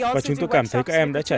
và chúng tôi cảm thấy các em đã trải